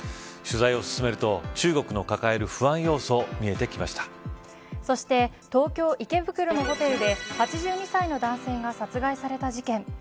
取材を進めると中国の抱える不安要素そして、東京、池袋のホテルで８２歳の男性が殺害された事件。